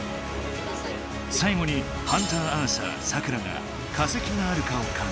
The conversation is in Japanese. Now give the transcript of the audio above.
さい後にハンターアーサー・サクラが化石があるかを観察。